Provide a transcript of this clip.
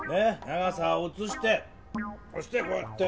長さをうつしてそしてこうやって。